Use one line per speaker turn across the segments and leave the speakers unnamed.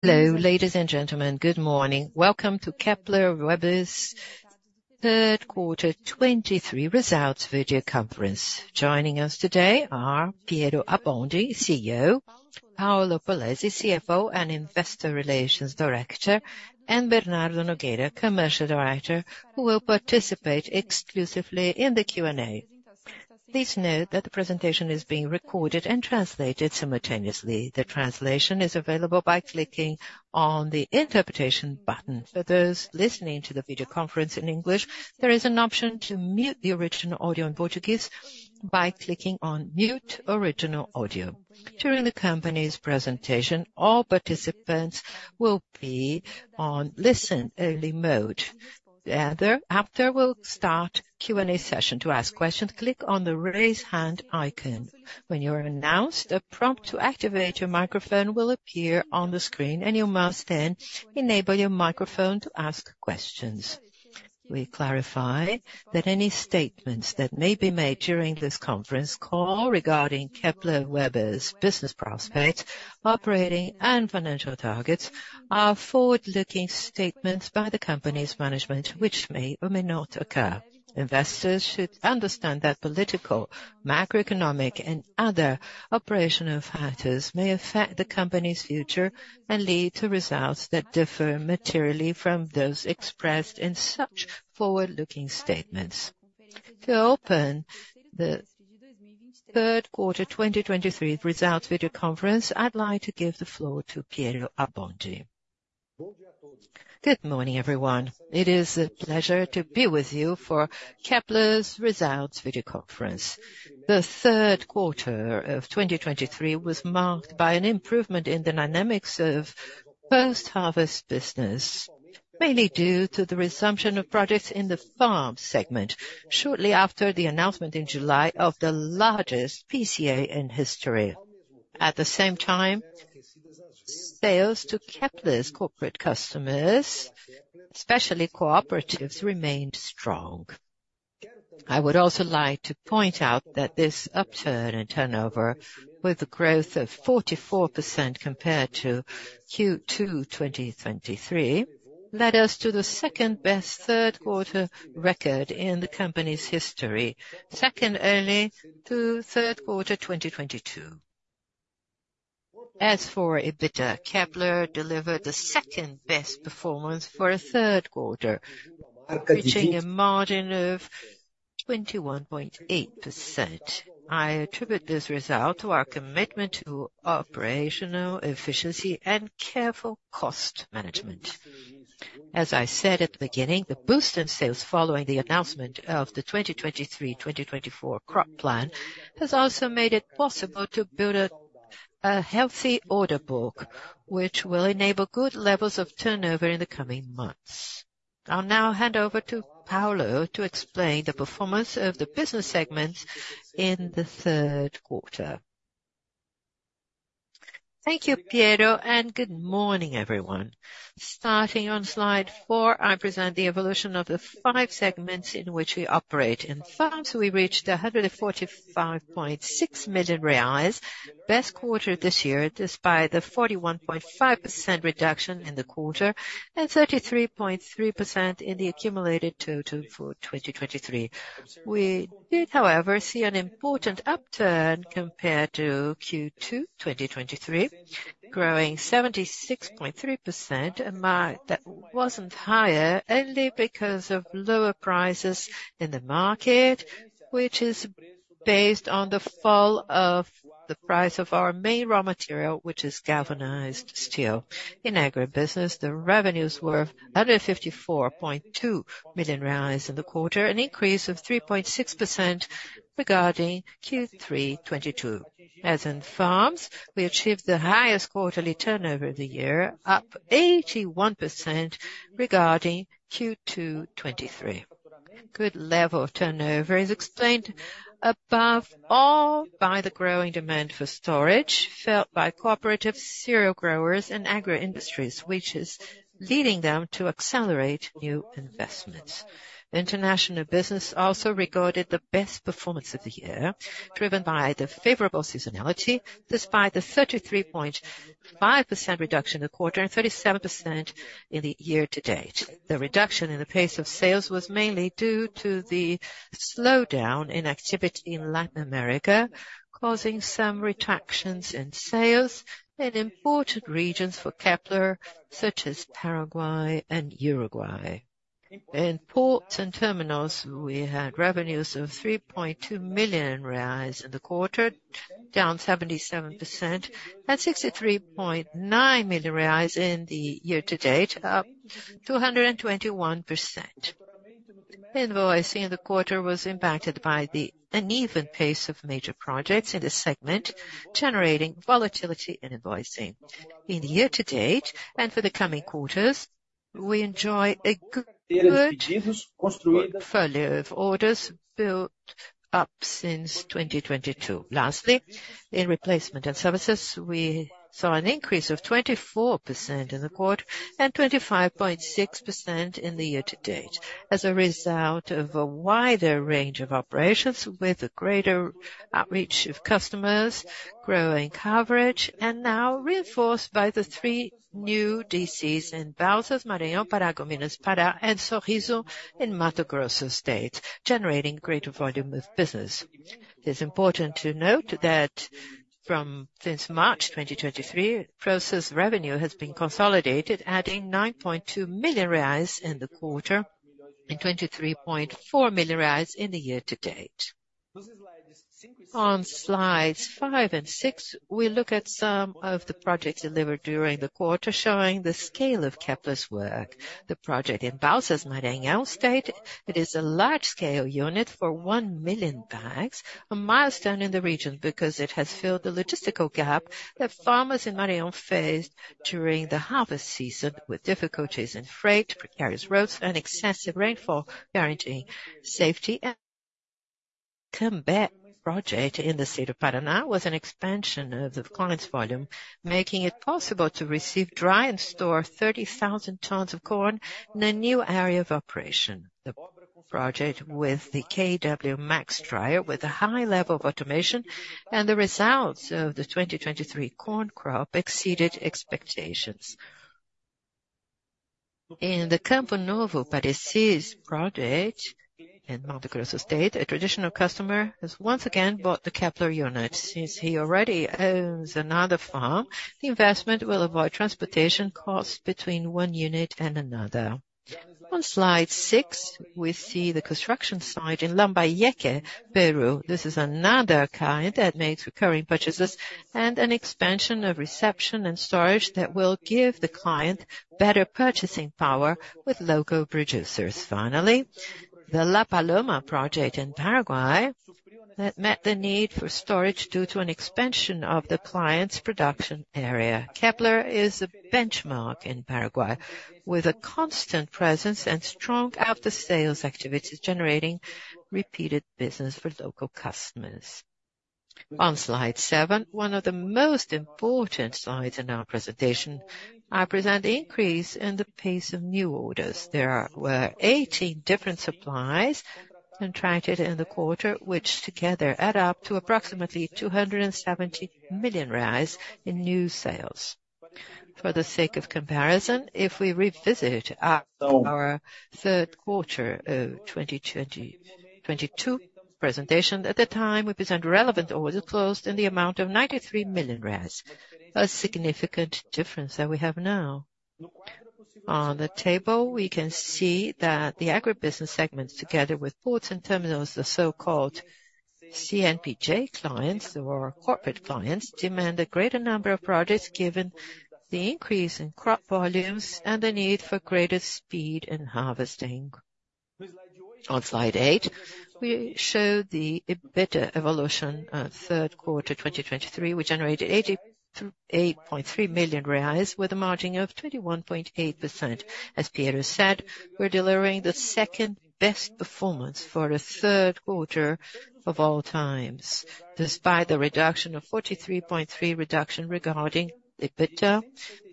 Hello, ladies and gentlemen. Good morning. Welcome to Kepler Weber's third quarter 2023 results video conference. Joining us today are Piero Abbondi, CEO, Paulo Polezi, CFO and Investor Relations Director, and Bernardo Nogueira, Commercial Director, who will participate exclusively in the Q&A. Please note that the presentation is being recorded and translated simultaneously. The translation is available by clicking on the Interpretation button. For those listening to the video conference in English, there is an option to mute the original audio in Portuguese by clicking on Mute Original Audio. During the company's presentation, all participants will be on listen-only mode. After, we'll start Q&A session. To ask questions, click on the Raise Hand icon. When you are announced, a prompt to activate your microphone will appear on the screen, and you must then enable your microphone to ask questions. We clarify that any statements that may be made during this conference call regarding Kepler Weber's business prospects, operating and financial targets, are forward-looking statements by the company's management, which may or may not occur. Investors should understand that political, macroeconomic, and other operational factors may affect the company's future and lead to results that differ materially from those expressed in such forward-looking statements. To open the third quarter 2023 results video conference, I'd like to give the floor to Piero Abbondi.
Good morning, everyone. It is a pleasure to be with you for Kepler's Results Video Conference. The third quarter of 2023 was marked by an improvement in the dynamics of post-harvest business, mainly due to the resumption of projects in the farm segment shortly after the announcement in July of the largest PCA in history. At the same time, sales to Kepler's corporate customers, especially cooperatives, remained strong. I would also like to point out that this upturn in turnover, with a growth of 44% compared to Q2 2023, led us to the second best third quarter record in the company's history, second only to third quarter 2022. As for EBITDA, Kepler delivered the second best performance for a third quarter, reaching a margin of 21.8%. I attribute this result to our commitment to operational efficiency and careful cost management. As I said at the beginning, the boost in sales following the announcement of the 2023/2024 crop plan, has also made it possible to build a healthy order book, which will enable good levels of turnover in the coming months. I'll now hand over to Paulo to explain the performance of the business segments in the third quarter.
Thank you, Piero, and good morning, everyone. Starting on slide 4, I present the evolution of the 5 segments in which we operate. In farms, we reached 145.6 million reais, best quarter this year, despite the 41.5% reduction in the quarter and 33.3% in the accumulated total for 2023. We did, however, see an important upturn compared to Q2 2023, growing 76.3%, a mark that wasn't higher, only because of lower prices in the market, which is based on the fall of the price of our main raw material, which is galvanized steel. In agribusiness, the revenues were 154.2 million in the quarter, an increase of 3.6% regarding Q3 2022. As in farms, we achieved the highest quarterly turnover of the year, up 81% regarding Q2 2023. Good level of turnover is explained above all by the growing demand for storage felt by cooperative cereal growers and agri industries, which is leading them to accelerate new investments. The international business also recorded the best performance of the year, driven by the favorable seasonality, despite the 33.5% reduction in the quarter and 37% in the year to date. The reduction in the pace of sales was mainly due to the slowdown in activity in Latin America, causing some retractions in sales in important regions for Kepler, such as Paraguay and Uruguay.
In ports and terminals, we had revenues of 3.2 million reais in the quarter, down 77%, and 63.9 million reais in the year to date, up 221%. Invoicing in the quarter was impacted by the uneven pace of major projects in this segment, generating volatility in invoicing. In the year to date and for the coming quarters, we enjoy a good portfolio of orders built up since 2022. Lastly, in replacement and services, we saw an increase of 24% in the quarter and 25.6% in the year to date, as a result of a wider range of operations with a greater outreach of customers, growing coverage, and now reinforced by the three new DCs in Balsas, Maranhão, Paragominas, Pará, and Sorriso in Mato Grosso State, generating greater volume of business. It is important to note that since March 2023, Procer revenue has been consolidated, adding 9.2 million reais in the quarter, and 23.4 million reais in the year to date. On slides 5 and 6, we look at some of the projects delivered during the quarter, showing the scale of Kepler's work. The project in Balsas, Maranhão State, it is a large-scale unit for 1 million bags, a milestone in the region because it has filled the logistical gap that farmers in Maranhão faced during the harvest season, with difficulties in freight, precarious roads, and excessive rainfall, guaranteeing safety. Cambé project in the state of Paraná, was an expansion of the client's volume, making it possible to receive, dry, and store 30,000 tons of corn in a new area of operation.
The project with the KW Max dryer, with a high level of automation and the results of the 2023 corn crop, exceeded expectations. In the Campo Novo do Parecis project, in Mato Grosso State, a traditional customer has once again bought the Kepler unit. Since he already owns another farm, the investment will avoid transportation costs between one unit and another. On slide 6, we see the construction site in Lambayeque, Peru. This is another client that makes recurring purchases and an expansion of reception and storage that will give the client better purchasing power with local producers. Finally, the La Paloma project in Paraguay, that met the need for storage due to an expansion of the client's production area. Kepler is a benchmark in Paraguay, with a constant presence and strong after-sales activities, generating repeated business for local customers. On slide 7, one of the most important slides in our presentation, I present the increase in the pace of new orders. There were 18 different supplies contracted in the quarter, which together add up to approximately 270 million reais in new sales. For the sake of comparison, if we revisit our, our third quarter of 2022 presentation, at the time, we presented relevant orders closed in the amount of 93 million, a significant difference that we have now. On the table, we can see that the agribusiness segments, together with ports and terminals, the so-called CNPJ clients or corporate clients, demand a greater number of projects, given the increase in crop volumes and the need for greater speed in harvesting. On slide 8, we show the EBITDA evolution of third quarter 2023. We generated 88.3 million reais, with a margin of 21.8%. As Piero said, we're delivering the second-best performance for a third quarter of all times, despite the 43.3% reduction regarding EBITDA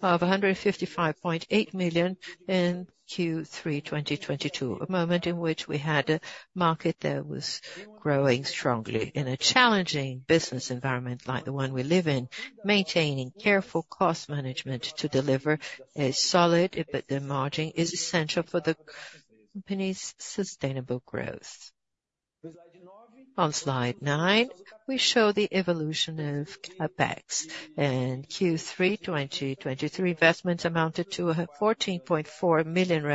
of 155.8 million in Q3 2022, a moment in which we had a market that was growing strongly. In a challenging business environment like the one we live in, maintaining careful cost management to deliver a solid EBITDA margin is essential for the company's sustainable growth. On slide 9, we show the evolution of CapEx. In Q3 2023, investments amounted to 14.4 million,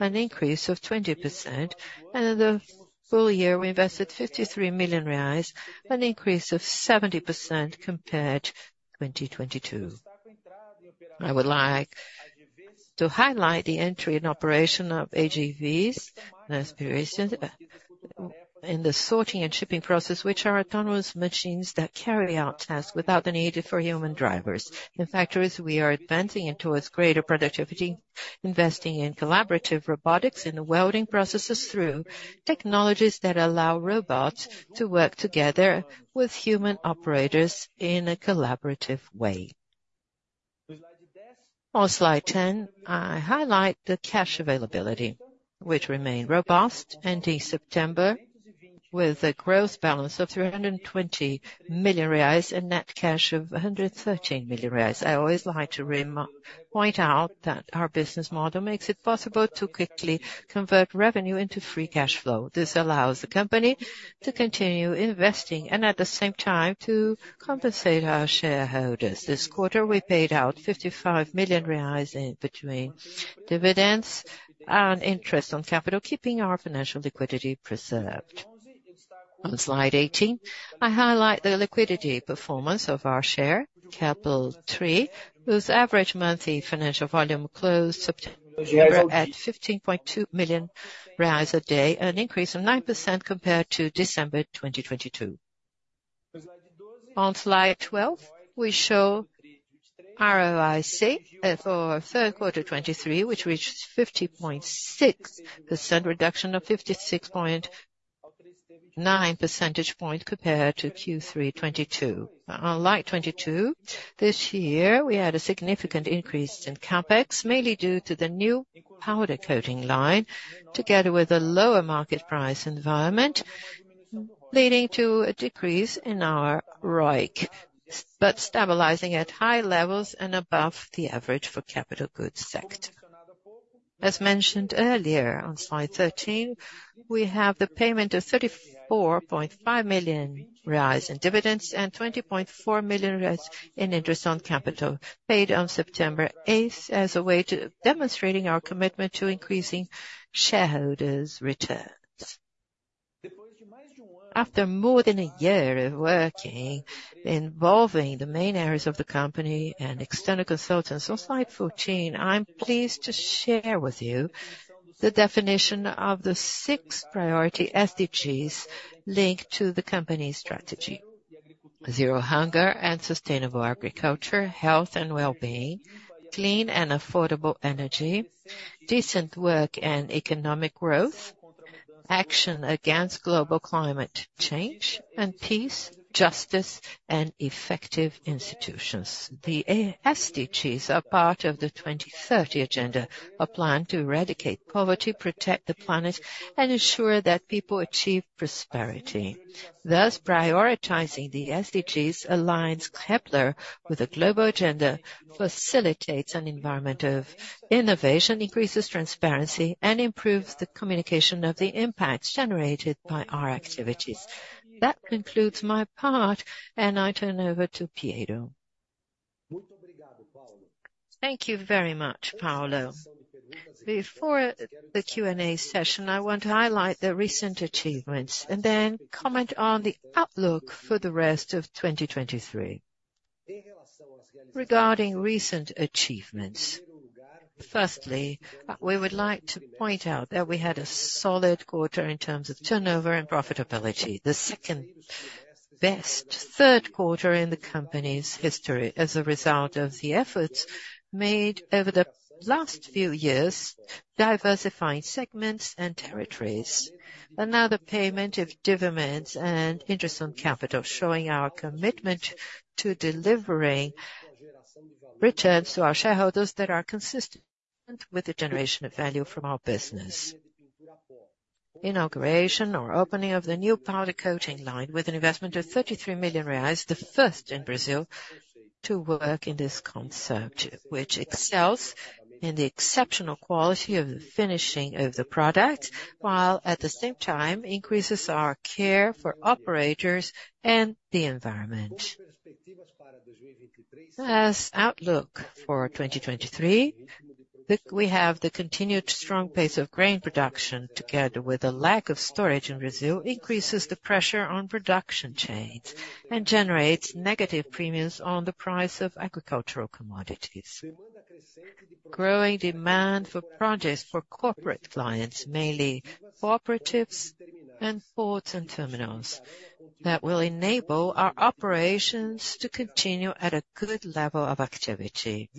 an increase of 20%, and in the full year, we invested 53 million, an increase of 70% compared to 2022. I would like to highlight the entry and operation of AGVs in the sorting and shipping process, which are autonomous machines that carry out tasks without the need for human drivers. In factories, we are advancing towards greater productivity, investing in collaborative robotics in the welding processes through technologies that allow robots to work together with human operators in a collaborative way. On slide 10, I highlight the cash availability, which remained robust, ending September with a gross balance of 320 million reais and net cash of 113 million reais. I always like to point out that our business model makes it possible to quickly convert revenue into free cash flow. This allows the company to continue investing and, at the same time, to compensate our shareholders. This quarter, we paid out 55 million reais in between dividends and interest on capital, keeping our financial liquidity preserved. On slide 18, I highlight the liquidity performance of our share, KEPL3, whose average monthly financial volume closed September at 15.2 million a day, an increase of 9% compared to December 2022. On slide 12, we show ROIC for third quarter 2023, which reached 50.6% reduction of 56.9 percentage point compared to Q3 2022. Unlike 2022, this year, we had a significant increase in CapEx, mainly due to the new powder coating line, together with a lower market price environment, leading to a decrease in our ROIC, but stabilizing at high levels and above the average for capital goods sector. As mentioned earlier, on slide 13, we have the payment of 34.5 million reais in dividends and 20.4 million reais in interest on capital paid on September eighth, as a way to demonstrating our commitment to increasing shareholders' returns. After more than a year of working, involving the main areas of the company and external consultants, on slide 14, I'm pleased to share with you the definition of the six priority SDGs linked to the company's strategy. Zero hunger and sustainable agriculture, health and well-being, clean and affordable energy, decent work and economic growth, action against global climate change, and peace, justice and effective institutions. The SDGs are part of the 2030 agenda, a plan to eradicate poverty, protect the planet, and ensure that people achieve prosperity. Thus, prioritizing the SDGs aligns Kepler with a global agenda, facilitates an environment of innovation, increases transparency, and improves the communication of the impacts generated by our activities. That concludes my part, and I turn over to Piero.
Thank you very much, Paulo. Before the Q&A session, I want to highlight the recent achievements and then comment on the outlook for the rest of 2023. Regarding recent achievements, firstly, we would like to point out that we had a solid quarter in terms of turnover and profitability. The second best third quarter in the company's history as a result of the efforts made over the last few years, diversifying segments and territories. Another payment of dividends and interest on capital, showing our commitment to delivering returns to our shareholders that are consistent with the generation of value from our business. Inauguration or opening of the new powder coating line with an investment of 33 million reais, the first in Brazil to work in this concept, which excels in the exceptional quality of the finishing of the product, while at the same time increases our care for operators and the environment. As outlook for 2023, we have the continued strong pace of grain production, together with a lack of storage in Brazil, increases the pressure on production chains and generates negative premiums on the price of agricultural commodities. Growing demand for projects for corporate clients, mainly cooperatives and ports and terminals, that will enable our operations to continue at a good level of activity.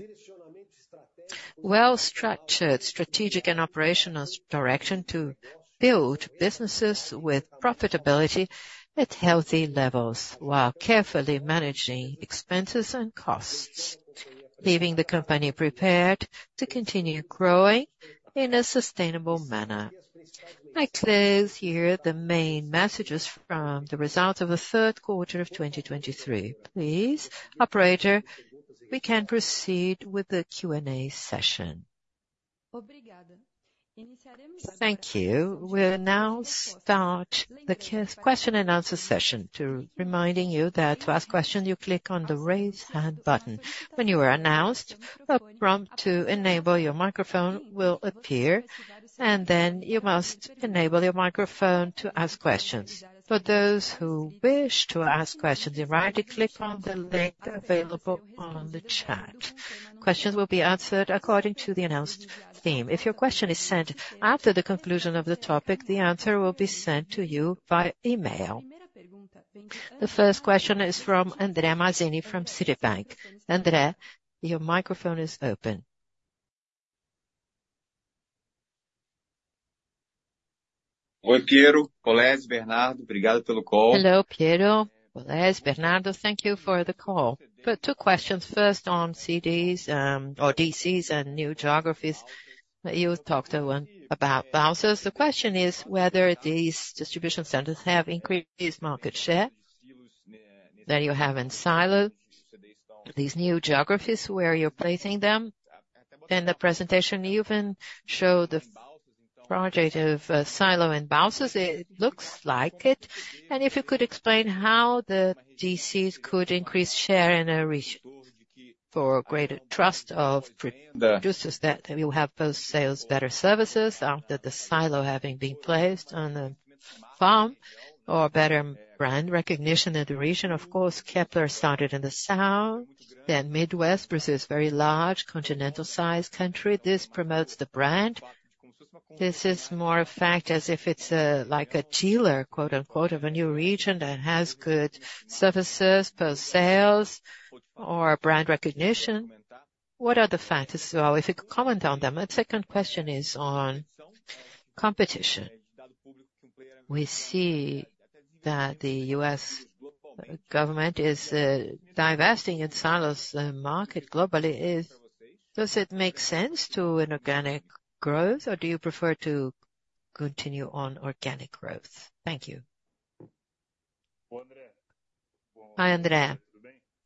Well-structured, strategic and operational direction to build businesses with profitability at healthy levels, while carefully managing expenses and costs, leaving the company prepared to continue growing in a sustainable manner. I close here the main messages from the results of the third quarter of 2023. Please, operator, we can proceed with the Q&A session.
Thank you. We'll now start the question-and-answer session. To remind you that to ask question, you click on the Raise Hand button. When you are announced, a prompt to enable your microphone will appear, and then you must enable your microphone to ask questions. For those who wish to ask questions in writing, click on the link available on the chat. Questions will be answered according to the announced theme. If your question is sent after the conclusion of the topic, the answer will be sent to you via email. The first question is from André Mazini, from Citibank. Andrea, your microphone is open.
Hello, Piero. Well, Bernardo, thank you for the call. But two questions. First on CDs, or DCs and new geographies. You talked about Balsas. The question is whether these distribution centers have increased market share that you have in silos, these new geographies where you're placing them. In the presentation, you even show the project of, silos and Balsas. It looks like it. And if you could explain how the DCs could increase share in a region for greater trust of producers, that you have both sales, better services, after the silo having been placed on the farm, or better brand recognition in the region. Of course, Kepler started in the South, then Midwest. Brazil is very large, continental-sized country. This promotes the brand? This is more a fact as if it's, like a dealer, quote unquote, of a new region that has good services, post-sales or brand recognition. What are the factors? Well, if you could comment on them. Second question is on competition. We see that the U.S. government is divesting in silos market globally. Does it make sense for inorganic growth, or do you prefer to continue on organic growth?
Thank you. Hi, André.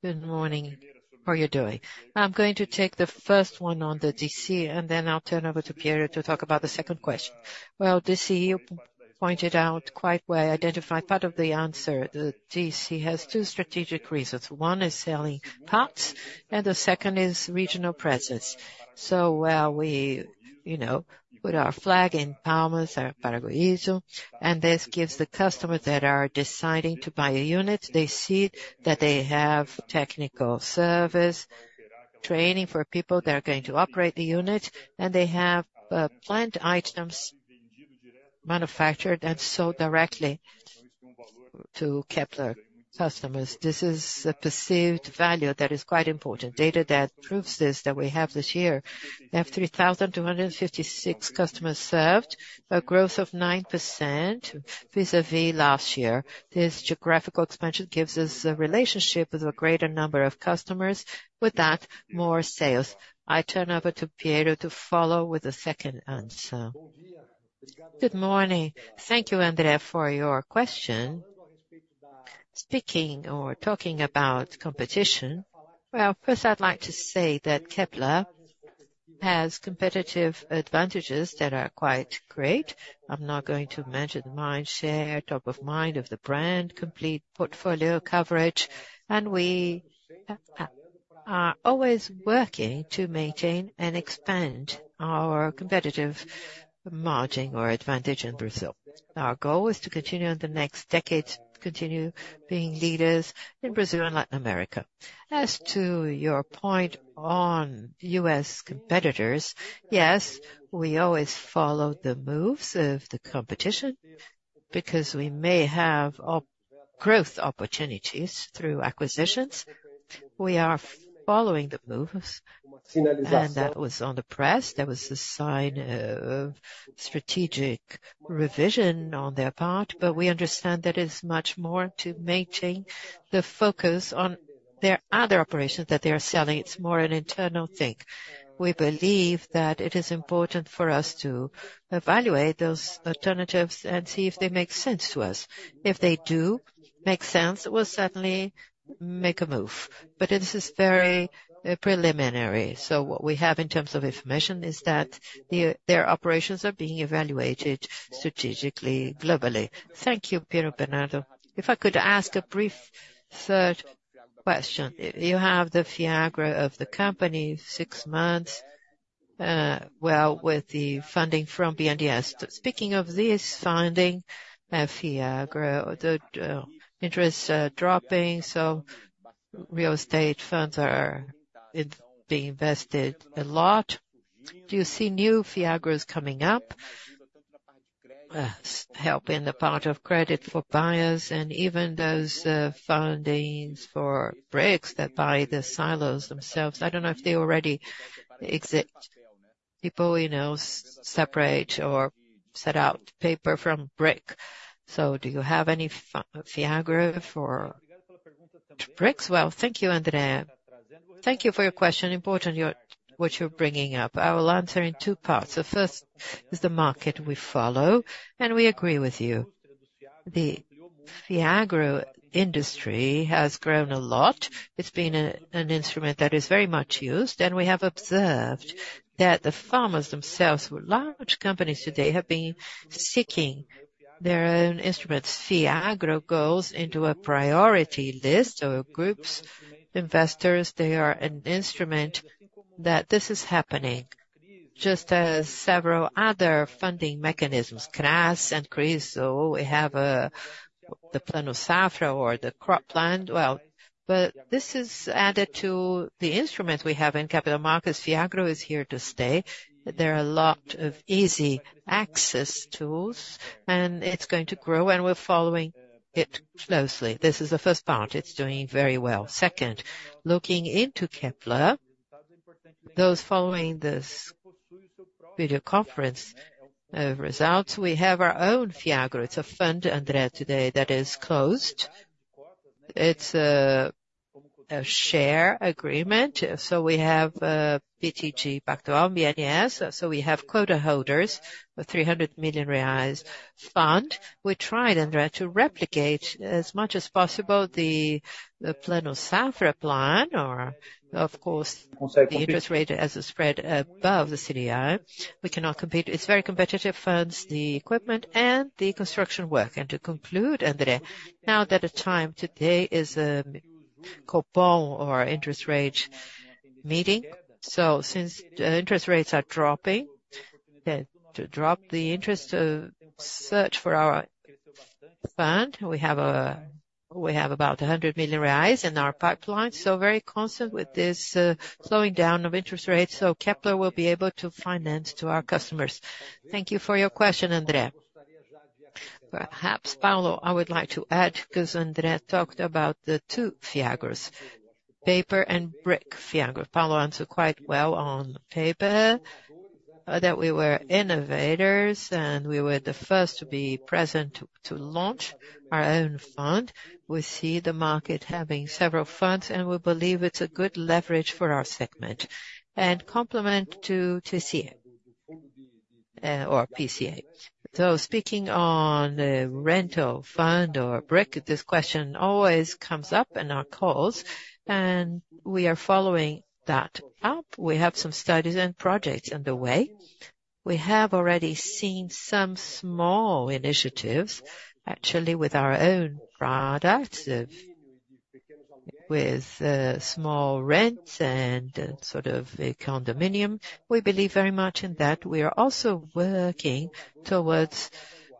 Good morning. How are you doing? I'm going to take the first one on the DC, and then I'll turn over to Piero to talk about the second question. Well, the CEO pointed out quite well, identified part of the answer. The DC has two strategic reasons. One is selling parts, and the second is regional presence. So while we, you know, put our flag in La Paloma, Paraguay, and this gives the customers that are deciding to buy a unit, they see that they have technical service, training for people that are going to operate the unit, and they have plant items manufactured and sold directly to Kepler customers. This is a perceived value that is quite important. Data that proves this, that we have this year, we have 3,256 customers served, a growth of 9% vis-a-vis last year. This geographical expansion gives us a relationship with a greater number of customers, with that, more sales. I turn over to Piero to follow with the second answer.
Good morning. Thank you, André, for your question. Speaking or talking about competition, well, first, I'd like to say that Kepler has competitive advantages that are quite great. I'm not going to mention the mind share, top of mind of the brand, complete portfolio coverage, and we are always working to maintain and expand our competitive margin or advantage in Brazil. Our goal is to continue in the next decade, continue being leaders in Brazil and Latin America. As to your point on US competitors, yes, we always follow the moves of the competition because we may have growth opportunities through acquisitions. We are following the moves, and that was on the press. That was a sign of strategic revision on their part, but we understand that it's much more to maintain the focus on their other operations that they are selling. It's more an internal thing. We believe that it is important for us to evaluate those alternatives and see if they make sense to us. If they do make sense, we'll certainly make a move, but this is very preliminary. So what we have in terms of information is that their operations are being evaluated strategically, globally.
Thank you, Piero. Bernardo. If I could ask a brief third question. You have the Fiagro of the company, six months, well, with the funding from BNDES. Speaking of this funding, Fiagro, the interests are dropping, so real estate funds are being invested a lot. Do you see new Fiagros coming up, help in the part of credit for buyers and even those fundings for bricks that buy the silos themselves? I don't know if they already exist. People, you know, separate or set out paper from brick. So do you have any Fiagro for bricks?
Well, thank you, André. Thank you for your question. Important, you're what you're bringing up. I will answer in two parts. So first is the market we follow, and we agree with you. The Fiagro industry has grown a lot. It's been an instrument that is very much used, and we have observed that the farmers themselves, with large companies today, have been seeking their own instruments. Fiagro goes into a priority list or groups, investors, they are an instrument that this is happening, just as several other funding mechanisms, CRA and CRI. So we have the Plano Safra or the crop plan. Well, but this is added to the instruments we have in capital markets. Fiagro is here to stay. There are a lot of easy access tools, and it's going to grow, and we're following it closely. This is the first part. It's doing very well. Second, looking into Kepler, those following this video conference results, we have our own Fiagro. It's a fund, André, today that is closed. It's a share agreement, so we have BTG Pactual, BNDES, so we have quota holders with 300 million reais fund. We tried, André, to replicate as much as possible the Plano Safra plan, or of course, the interest rate as a spread above the CDI. We cannot compete. It's very competitive funds, the equipment and the construction work.
And to conclude, André, now that the time today is Copom or interest rate meeting, so since the interest rates are dropping, then to drop the interest search for our fund.
We have about 100 million reais in our pipeline, so very consistent with this slowing down of interest rates, so Kepler will be able to finance to our customers. Thank you for your question, Andrea. Perhaps, Paulo, I would like to add, because Andrea talked about the two Fiagros, paper and brick Fiagro. Paulo answered quite well on paper, that we were innovators and we were the first to be present to launch our own fund. We see the market having several funds, and we believe it's a good leverage for our segment. And complement to CRA or PCA. So speaking on the rental fund or brick, this question always comes up in our calls, and we are following that up. We have some studies and projects underway. We have already seen some small initiatives, actually, with our own products, with small rents and sort of a condominium. We believe very much in that. We are also working towards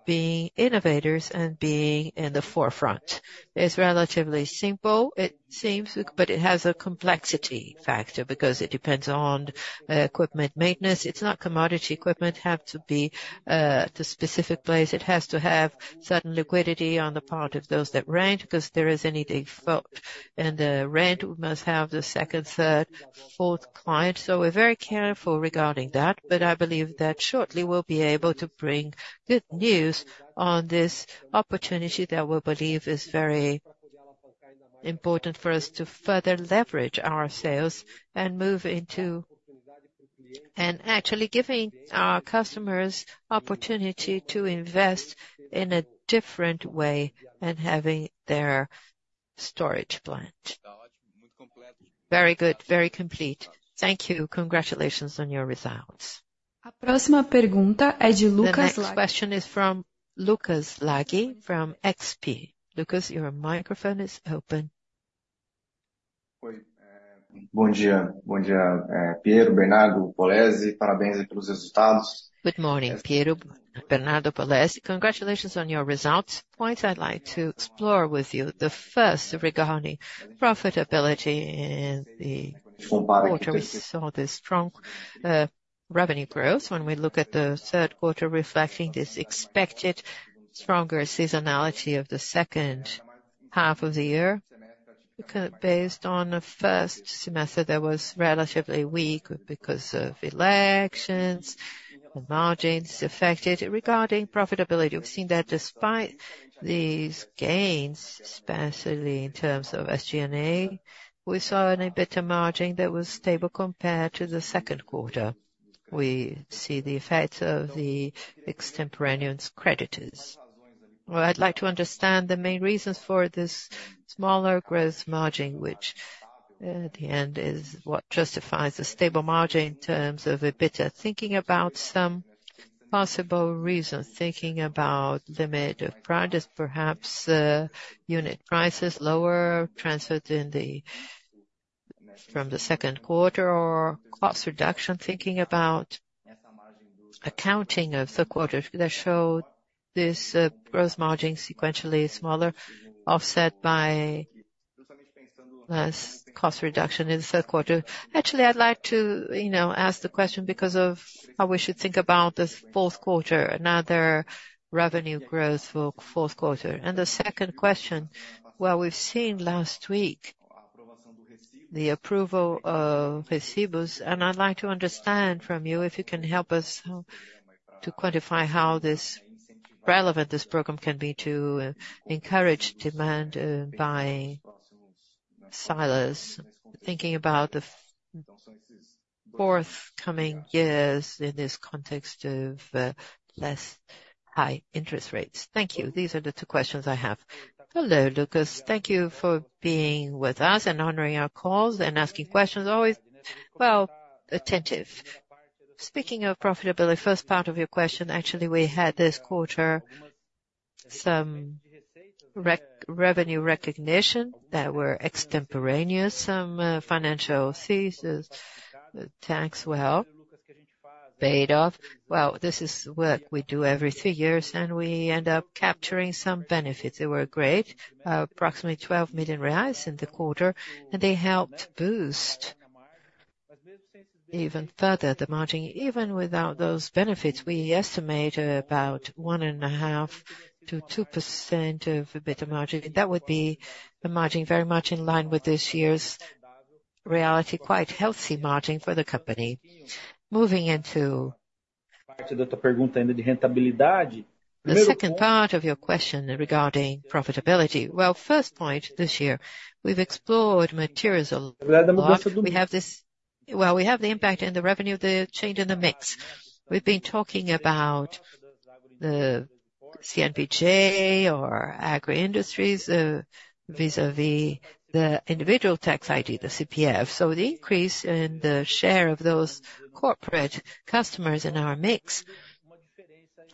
being innovators and being in the forefront. It's relatively simple, it seems, but it has a complexity factor because it depends on equipment maintenance. It's not commodity equipment, have to be the specific place. It has to have certain liquidity on the part of those that rent, because there is any default in the rent, we must have the second, third, fourth client. So we're very careful regarding that, but I believe that shortly, we'll be able to bring good news on this opportunity that we believe is very important for us to further leverage our sales and move into—and actually giving our customers opportunity to invest in a different way and having their storage plant.
Very good, very complete. Thank you. Congratulations on your results.
The next question is from Lucas Laghi from XP. Lucas, your microphone is open.
Good morning, Piero, Bernardo, Polezi. Congratulations on your results. Points I'd like to explore with you. The first, regarding profitability in the quarter, we saw the strong revenue growth when we look at the third quarter, reflecting this expected stronger seasonality of the second half of the year. Because based on the first semester, that was relatively weak because of elections, the margins affected. Regarding profitability, we've seen that despite these gains, especially in terms of SG&A, we saw an EBITDA margin that was stable compared to the second quarter. We see the effects of the extemporaneous creditors. Well, I'd like to understand the main reasons for this smaller gross margin, which, at the end, is what justifies the stable margin in terms of EBITDA. Thinking about some possible reasons, thinking about the mid of progress, perhaps, unit prices, lower transfer than from the second quarter or cost reduction, thinking about accounting of the quarter that show this, gross margin sequentially smaller, offset by less cost reduction in the third quarter. Actually, I'd like to, you know, ask the question because of how we should think about this fourth quarter, another revenue growth for fourth quarter. And the second question, well, we've seen last week the approval of receivables, and I'd like to understand from you, if you can help us, to quantify how relevant this program can be to encourage demand by sellers, thinking about the forthcoming years in this context of less high interest rates. Thank you. These are the two questions I have.
Hello, Lucas. Thank you for being with us and honoring our calls and asking questions. Always, well, attentive. Speaking of profitability, first part of your question, actually, we had this quarter some revenue recognition that were extemporaneous, some financial fees, as the tax well paid off. Well, this is work we do every three years, and we end up capturing some benefits. They were great, approximately 12 million reais in the quarter, and they helped boost even further the margin. Even without those benefits, we estimate about 1.5%-2% of EBITDA margin. That would be a margin very much in line with this year's reality, quite healthy margin for the company. Moving into the second part of your question regarding profitability. Well, first point, this year, we've explored materials a lot. Well, we have the impact and the revenue, the change in the mix. We've been talking about the CNPJ or agri industries vis-à-vis the individual tax ID, the CPF. So the increase in the share of those corporate customers in our mix,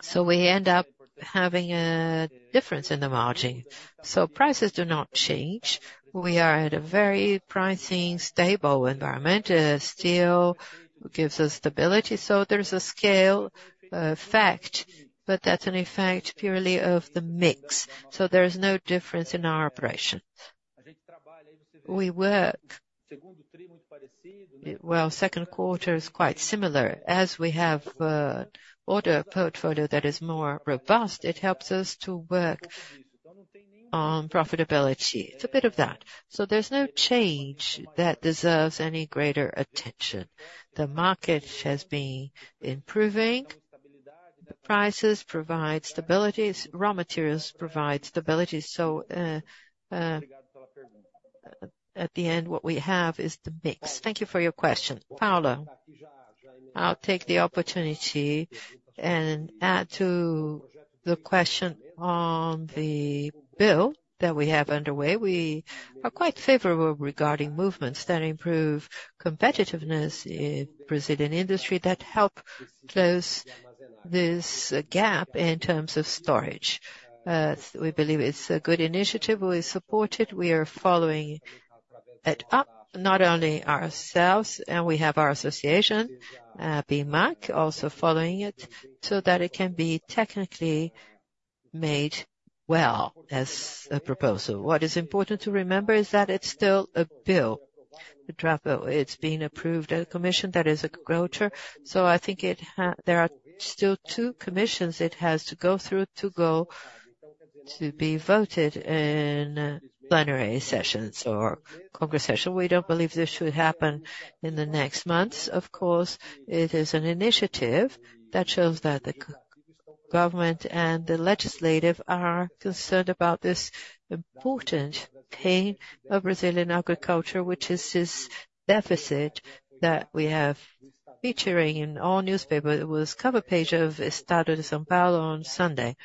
so we end up having a difference in the margin. So prices do not change. We are at a very pricing stable environment. Steel gives us stability, so there's a scale effect, but that's an effect purely of the mix. So there is no difference in our operations... We work. Well, second quarter is quite similar. As we have order portfolio that is more robust, it helps us to work on profitability. It's a bit of that. So there's no change that deserves any greater attention. The market has been improving, the prices provide stabilities, raw materials provide stability. So, at the end, what we have is the mix.
Thank you for your question, Paulo. I'll take the opportunity and add to the question on the bill that we have underway. We are quite favorable regarding movements that improve competitiveness in Brazilian industry, that help close this gap in terms of storage. We believe it's a good initiative, we support it. We are following it up, not only ourselves, and we have our association, ABIMAQ, also following it, so that it can be technically made well as a proposal. What is important to remember is that it's still a bill, a draft bill. It's being approved at a commission that is a grower. So I think it there are still two commissions it has to go through to go to be voted in plenary sessions or congress session. We don't believe this should happen in the next months. Of course, it is an initiative that shows that the government and the legislative are concerned about this important pain of Brazilian agriculture, which is this deficit that we have featuring in all newspaper. It was cover page of Estado de S. Paulo on Sunday.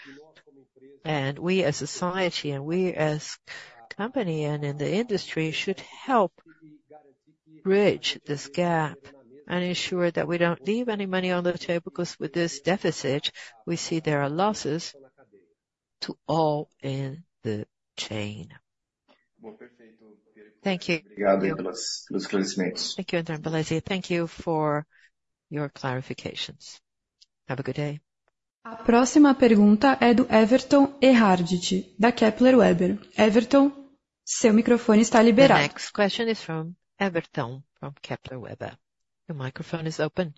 And we as society and we as company and in the industry, should help bridge this gap and ensure that we don't leave any money on the table, because with this deficit, we see there are losses to all in the chain. Thank you.
Thank you, Paulo Polezi. Thank you for your clarifications. Have a good day.
The next question is from Everton, from Kepler Weber. Your microphone is open.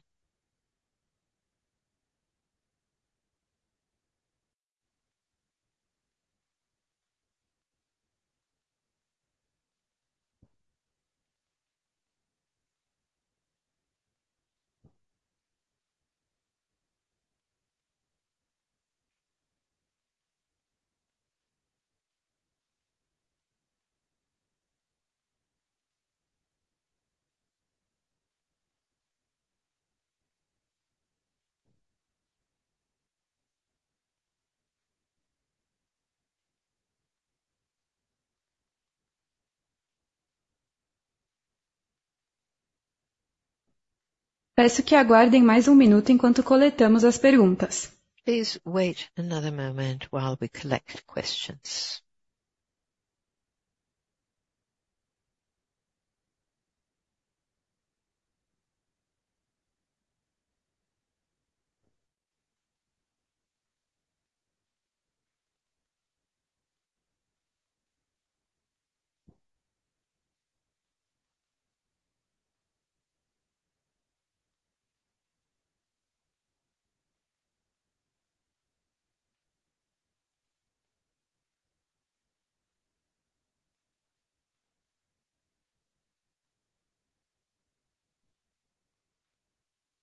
Please wait another moment while we collect questions.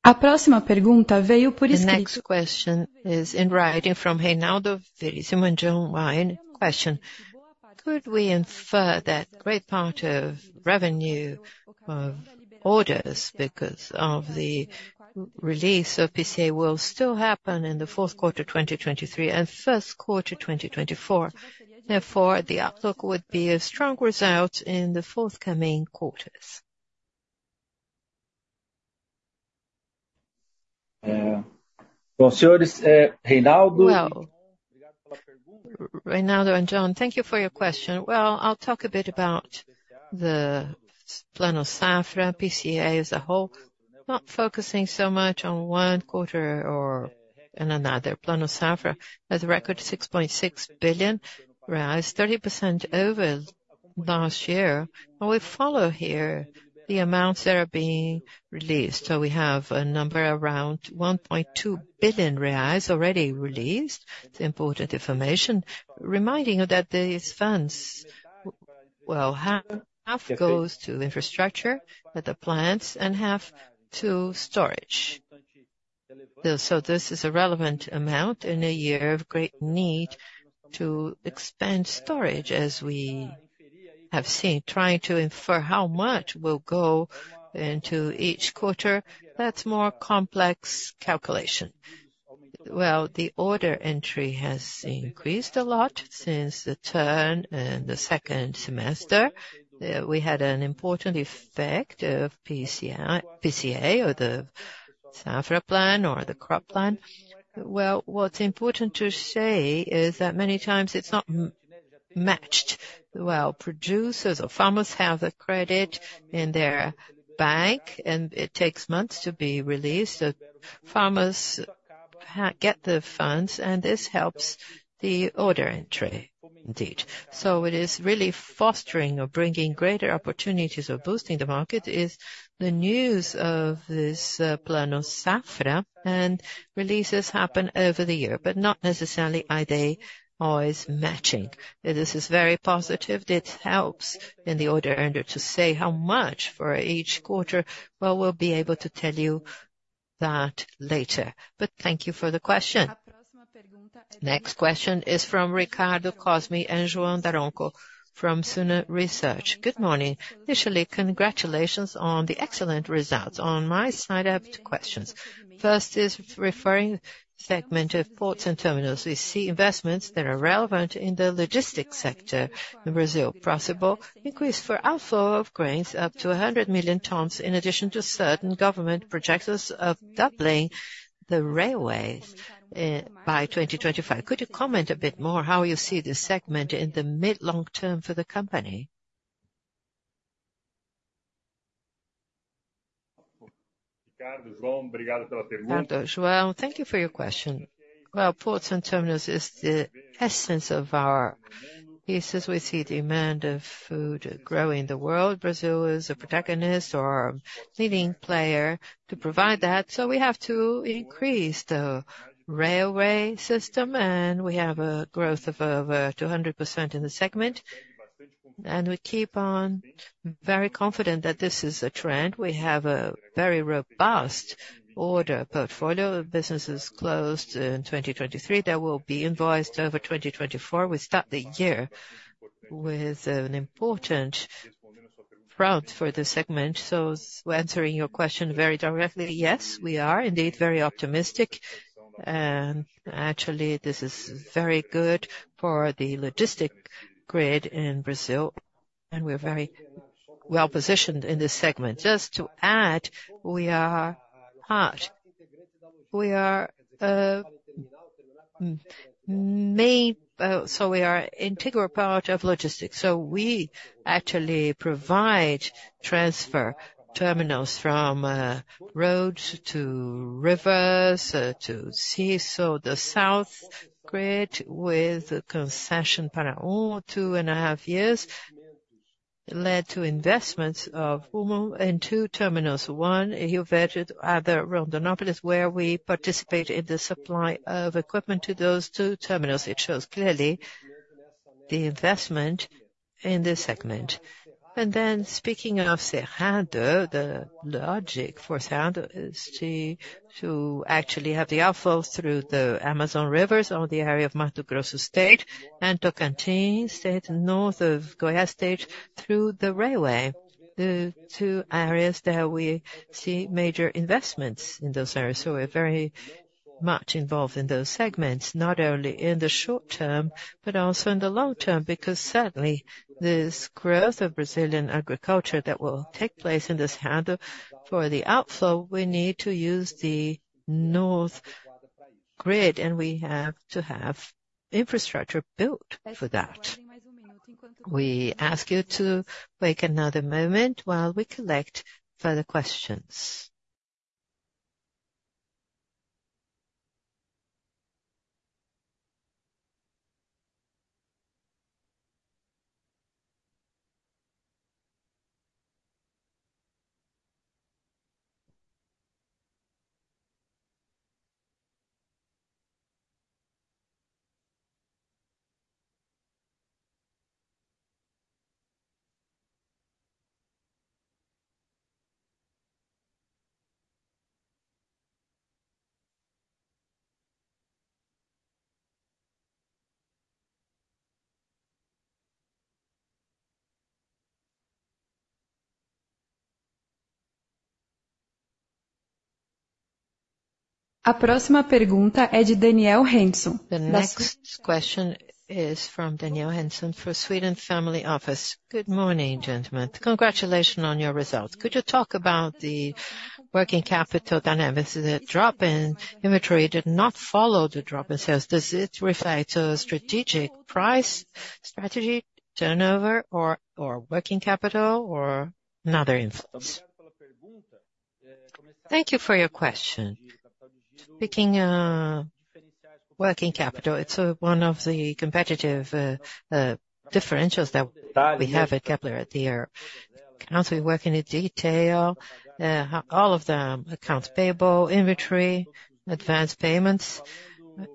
The next question is in writing from Reinaldo Veríssimo and John Wine. Question: Could we infer that great part of revenue of orders because of the release of PCA will still happen in the fourth quarter, 2023 and first quarter, 2024? Therefore, the outlook would be a strong result in the forthcoming quarters.
Well, Reinaldo and John, thank you for your question. Well, I'll talk a bit about the Plano Safra, PCA as a whole, not focusing so much on one quarter or on another. Plano Safra, as a record, 6.6 billion, 30% over last year. And we follow here the amounts that are being released. So we have a number around 1.2 billion reais already released. It's important information, reminding you that these funds, well, half goes to infrastructure with the plants and half to storage. So this is a relevant amount in a year of great need to expand storage, as we have seen, trying to infer how much will go into each quarter, that's more complex calculation. Well, the order entry has increased a lot since the turn in the second semester. We had an important effect of PCA or the Safra plan or the crop plan. Well, what's important to say is that many times it's not matched. Well, producers or farmers have the credit in their bank, and it takes months to be released. The farmers get the funds, and this helps the order entry, indeed. So it is really fostering or bringing greater opportunities or boosting the market, is the news of this, Plano Safra, and releases happen over the year, but not necessarily are they always matching. This is very positive. It helps in the order entry to say how much for each quarter. Well, we'll be able to tell you that later. But thank you for the question.
Next question is from Ricardo Cosme and João Daronco from Suno Research.
Good morning. Initially, congratulations on the excellent results. On my side, I have two questions. First is referring [to] segment of ports and terminals. We see investments that are relevant in the logistics sector in Brazil, possible increase for outflow of grains up to 100 million tons, in addition to certain government projects of doubling the railways by 2025. Could you comment a bit more how you see this segment in the mid-long term for the company?
Well, thank you for your question. Well, ports and terminals is the essence of our business. We see demand of food growing in the world. Brazil is a protagonist or a leading player to provide that, so we have to increase the railway system, and we have a growth of over 200% in the segment. We keep on very confident that this is a trend. We have a very robust order portfolio of businesses closed in 2023, that will be invoiced over 2024. We start the year with an important route for the segment. So answering your question very directly, yes, we are indeed very optimistic. Actually, this is very good for the logistic grid in Brazil, and we're very well-positioned in this segment.
Just to add, we are part. We are main, so we are integral part of logistics, so we actually provide transfer terminals from roads to rivers to sea. So the south grid, with the concession for 2.5 years, led to investments of Rumo in 2 terminals. One, Rio Verde, other Rondonópolis, where we participate in the supply of equipment to those 2 terminals. It shows clearly the investment in this segment. And then, speaking of Cerrado, the logic for Cerrado is to actually have the outflows through the Amazon rivers or the area of Mato Grosso State and Tocantins State, north of Goiás State, through the railway. The 2 areas that we see major investments in those areas, so we're very much involved in those segments, not only in the short term, but also in the long term, because certainly, this growth of Brazilian agriculture that will take place in this handle. For the outflow, we need to use the north grid, and we have to have infrastructure built for that.
We ask you to wait another moment while we collect further questions. The next question is from Daniel Henson, from Sweden Family Office.
Good morning, gentlemen. Congratulations on your results. Could you talk about the working capital dynamics? The drop in inventory did not follow the drop in sales. Does it reflect a strategic price strategy, turnover, or working capital, or another influence?
Thank you for your question. Speaking, working capital, it's one of the competitive differentials that we have at Kepler at the account. We work in detail all of the accounts payable, inventory, advanced payments,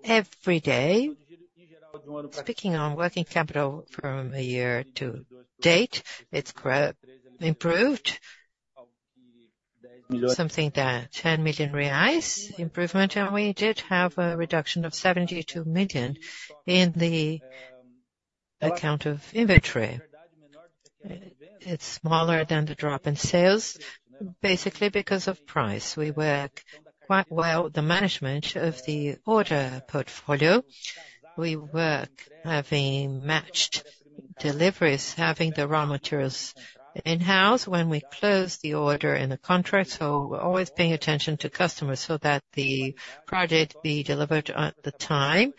every day. Speaking on working capital from a year to date, it's improved. Something that 10 million reais improvement, and we did have a reduction of 72 million in the account of inventory. It's smaller than the drop in sales, basically because of price. We work quite well, the management of the order portfolio. We work having matched deliveries, having the raw materials in-house when we close the order in the contract, so we're always paying attention to customers so that the project be delivered on time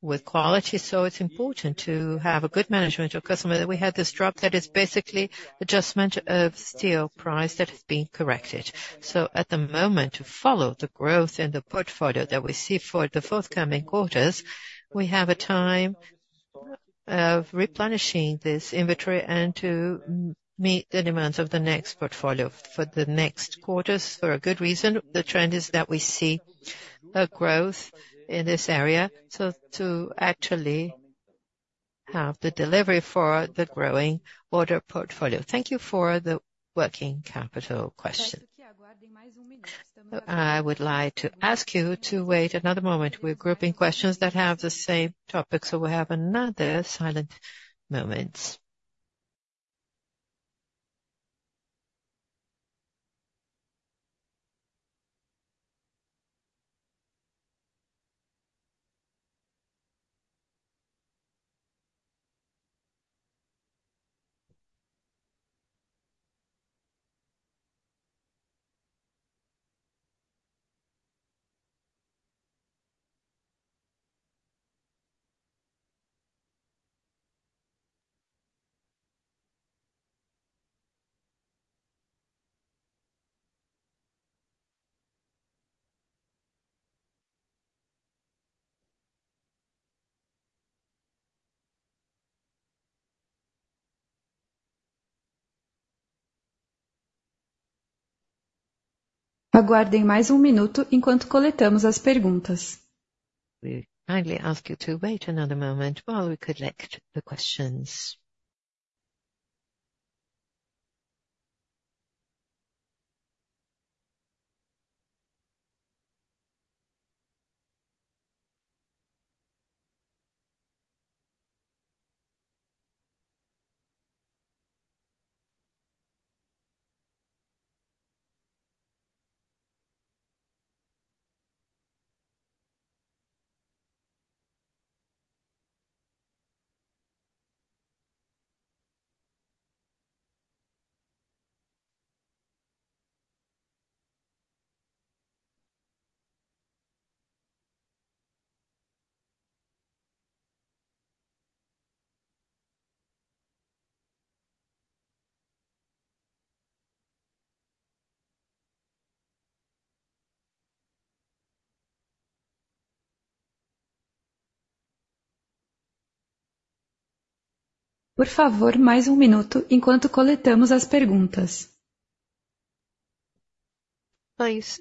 with quality. So it's important to have a good management of customer. We had this drop that is basically adjustment of steel price that is being corrected. So at the moment, to follow the growth in the portfolio that we see for the forthcoming quarters, we have a time of replenishing this inventory and to meet the demands of the next portfolio for the next quarters, for a good reason. The trend is that we see a growth in this area, so to actually have the delivery for the growing order portfolio.
Thank you for the working capital question. I would like to ask you to wait another moment. We're grouping questions that have the same topic, so we'll have another silent moment. Aguardem mais um minuto, enquanto coletamos as perguntas. We kindly ask you to wait another moment while we collect the questions. Por favor, mais um minuto, enquanto coletamos as perguntas. Please,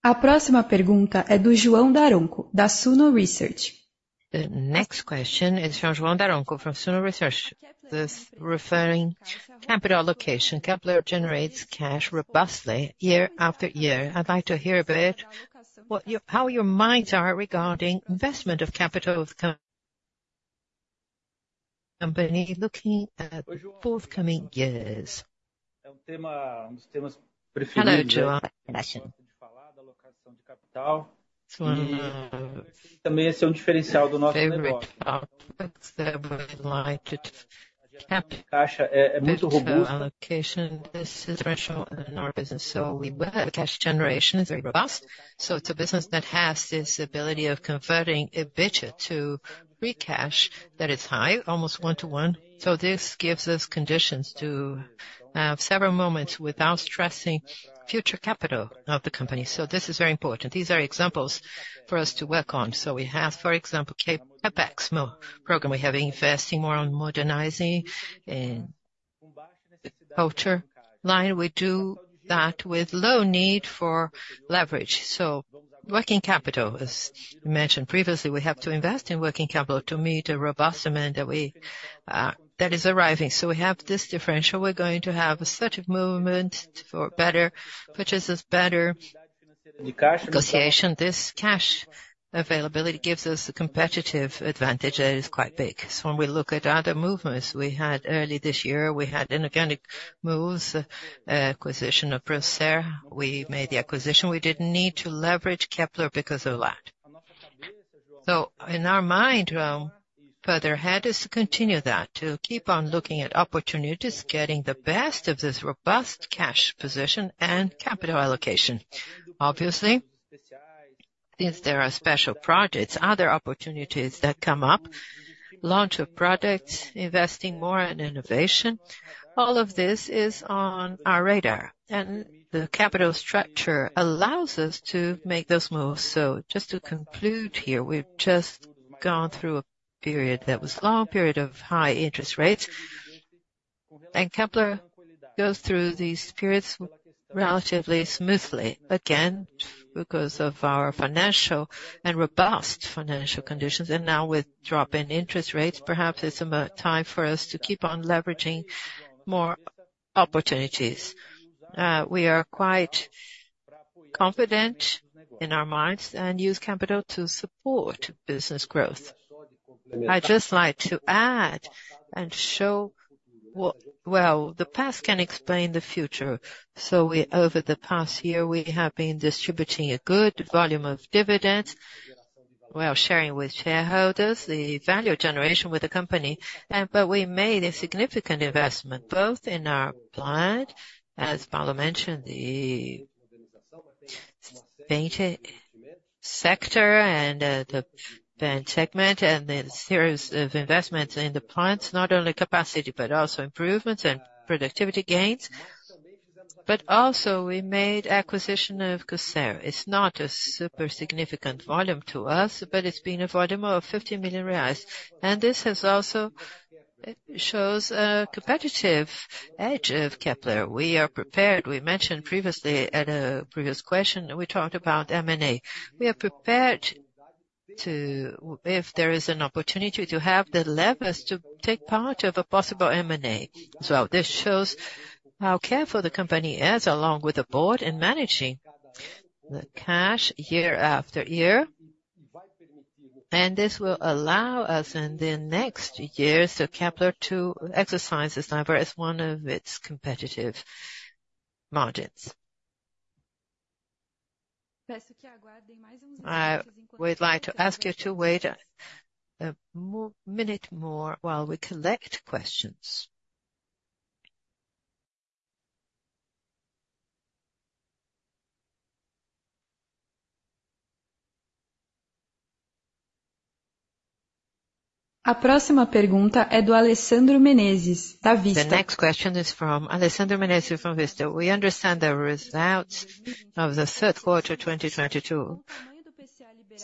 another moment while we collect questions. A próxima pergunta é do João Daronco, da Suno Research. The next question is from João Daronco from Suno Research.
This referring capital allocation. Kepler generates cash robustly year after year. I'd like to hear a bit what your-- how your minds are regarding investment of capital of co- company, looking at both coming years.
Hello, João. ... Very, capital allocation. This is rational in our business, so we will have cash generation is very robust. So it's a business that has this ability of converting EBITDA to free cash that is high, almost 1 to 1. So this gives us conditions to have several moments without stressing future capital of the company. So this is very important. These are examples for us to work on. So we have, for example, CapEx program. We have investing more on modernizing in culture line. We do that with low need for leverage. Working capital, as you mentioned previously, we have to invest in working capital to meet a robust demand that we, that is arriving. We have this differential. We're going to have a strategic movement for better purchases, better negotiation. This cash availability gives us a competitive advantage that is quite big. When we look at other movements we had early this year, we had inorganic moves, acquisition of Procer. We made the acquisition. We didn't need to leverage Kepler because of that. In our mind, well, further ahead, is to continue that, to keep on looking at opportunities, getting the best of this robust cash position and capital allocation. Obviously, since there are special projects, other opportunities that come up, launch of products, investing more in innovation, all of this is on our radar, and the capital structure allows us to make those moves.
So just to conclude here, we've just gone through a period that was long, period of high interest rates, and Kepler goes through these periods relatively smoothly, again, because of our financial and robust financial conditions. Now with drop in interest rates, perhaps it's about time for us to keep on leveraging more opportunities. We are quite confident in our minds and use capital to support business growth... I'd just like to add and show what - well, the past can explain the future. So we, over the past year, we have been distributing a good volume of dividends. We are sharing with shareholders the value generation with the company. But we made a significant investment, both in our plant, as Paulo mentioned, the painted sector and, the paint segment, and the series of investments in the plants, not only capacity, but also improvements and productivity gains. But also, we made acquisition of Procer. It's not a super significant volume to us, but it's been a volume of 50 million reais. And this has also shows a competitive edge of Kepler. We are prepared. We mentioned previously at a previous question, we talked about M&A. We are prepared to if there is an opportunity to have the levers to take part of a possible M&A. So this shows how careful the company is, along with the board, in managing the cash year after year. And this will allow us in the next years, so Kepler, to exercise this number as one of its competitive margins. We'd like to ask you to wait a minute more while we collect questions.
The next question is from Alessandro Meneses from Vista.
We understand the results of the third quarter, 2022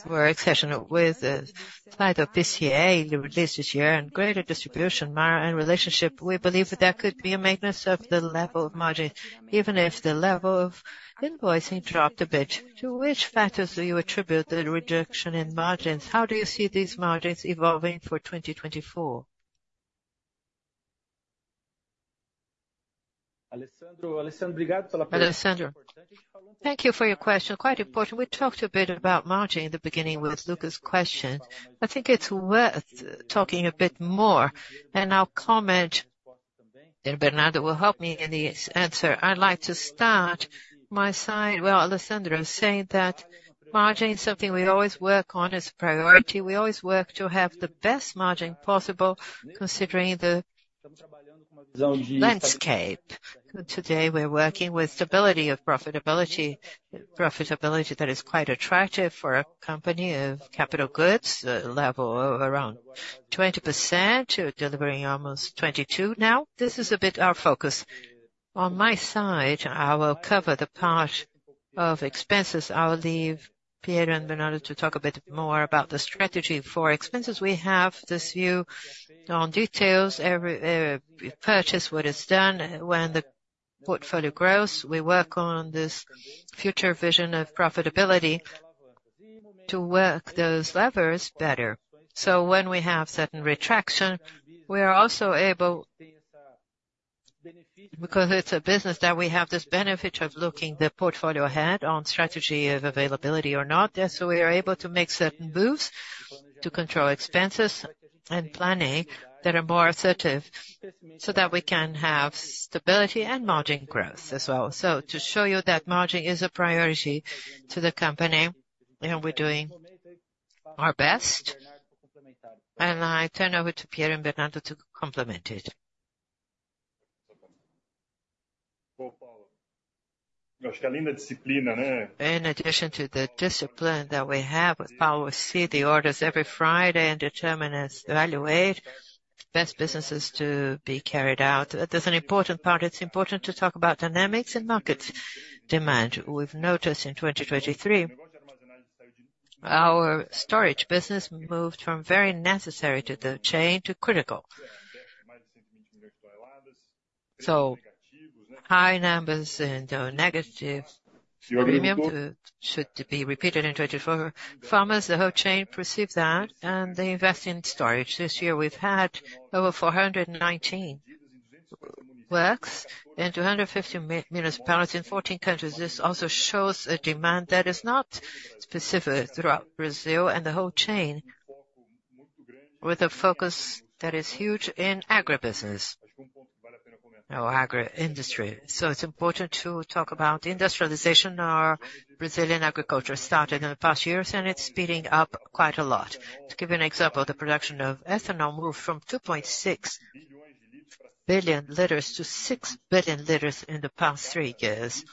were exceptional with the height of PCA released this year and greater distribution, more in relationship. We believe that there could be a maintenance of the level of margin, even if the level of invoicing dropped a bit. To which factors do you attribute the reduction in margins? How do you see these margins evolving for 2024?
Alessandro, thank you for your question. Quite important. We talked a bit about margin in the beginning with Lucas' question. I think it's worth talking a bit more, and I'll comment, and Bernardo will help me in this answer. I'd like to start my side. Well, Alessandro is saying that margin is something we always work on as a priority. We always work to have the best margin possible, considering the landscape. Today, we're working with stability of profitability, profitability that is quite attractive for a company of capital goods, level of around 20% to delivering almost 22%. Now, this is a bit our focus. On my side, I will cover the part of expenses. I'll leave Piero and Bernardo to talk a bit more about the strategy for expenses. We have this view on details, every purchase, what is done. When the portfolio grows, we work on this future vision of profitability to work those levers better. So when we have certain retraction, we are also able, because it's a business that we have this benefit of looking the portfolio ahead on strategy of availability or not. So we are able to make certain moves to control expenses and planning that are more assertive, so that we can have stability and margin growth as well. So to show you that margin is a priority to the company, and we're doing our best. I turn over to Piero and Bernardo to complement it.
In addition to the discipline that we have, with Paulo, we see the orders every Friday and determine evaluate best businesses to be carried out. There's an important part. It's important to talk about dynamics and market demand. We've noticed in 2023, our storage business moved from very necessary to the chain to critical. So high numbers and negative should be repeated in 2024. Farmers, the whole chain perceive that, and they invest in storage. This year, we've had over 419 works in 250 municipalities in 14 countries. This also shows a demand that is not specific throughout Brazil and the whole chain, with a focus that is huge in agribusiness or agri industry. So it's important to talk about industrialization. Our Brazilian agriculture started in the past years, and it's speeding up quite a lot. To give you an example, the production of ethanol moved from 2.6 billion liters to 6 billion liters in the past three years.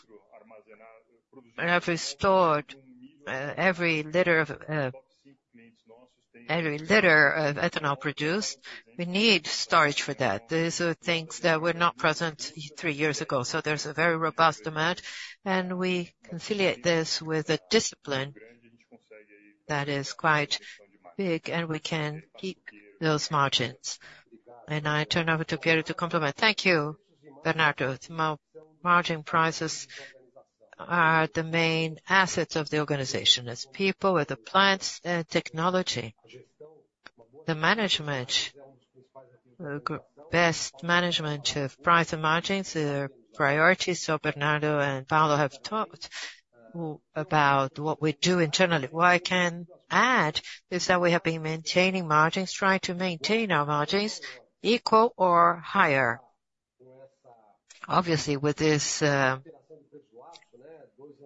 And have we stored every liter of every liter of ethanol produced, we need storage for that. These are things that were not present three years ago, so there's a very robust amount, and we conciliate this with a discipline that is quite big, and we can keep those margins. And I turn over to Piero to complement.
Thank you, Bernardo. Margin prices are the main assets of the organization. As people, with the plants and technology, the best management of price and margins are priorities. So Bernardo and Paulo have talked about what we do internally. What I can add is that we have been maintaining margins, trying to maintain our margins equal or higher. Obviously, with this,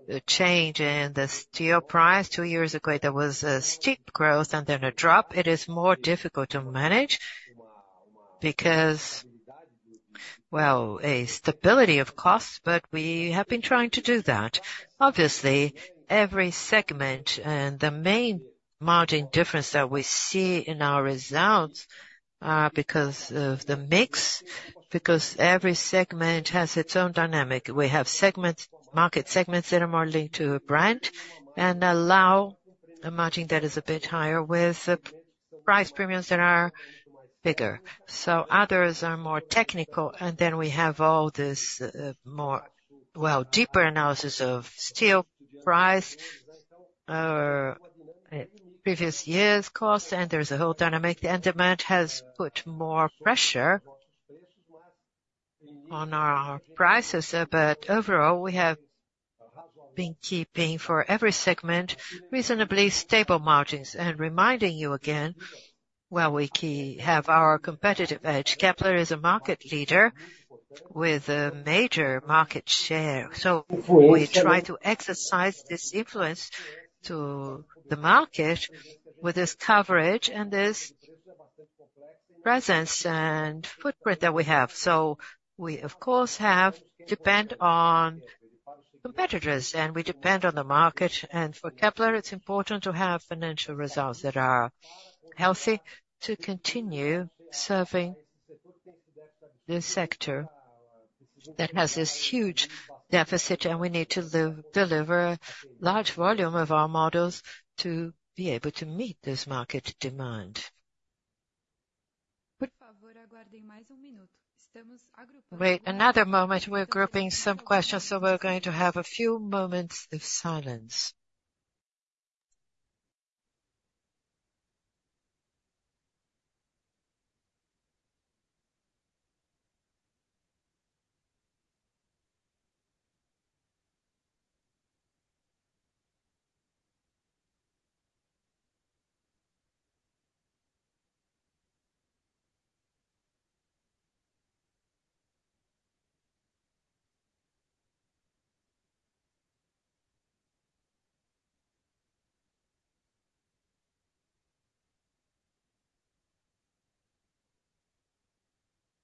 the change in the steel price two years ago, there was a steep growth and then a drop. It is more difficult to manage because, well, a stability of costs, but we have been trying to do that. Obviously, every segment and the main margin difference that we see in our results are because of the mix, because every segment has its own dynamic. We have segments, market segments that are more linked to a brand and allow a margin that is a bit higher with the price premiums that are bigger. So others are more technical, and then we have all this, more, well, deeper analysis of steel price, previous years' cost, and there's a whole dynamic, and demand has put more pressure on our prices. But overall, we have been keeping for every segment, reasonably stable margins. And reminding you again, well, we have our competitive edge. Kepler is a market leader with a major market share. So we try to exercise this influence to the market with this coverage and this presence and footprint that we have. So we, of course, depend on competitors, and we depend on the market. And for Kepler, it's important to have financial results that are healthy, to continue serving this sector that has this huge deficit, and we need to deliver a large volume of our models to be able to meet this market demand.
Wait another moment. We're grouping some questions, so we're going to have a few moments of silence.